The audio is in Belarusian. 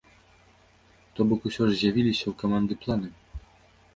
То бок, усё ж з'явіліся ў каманды планы?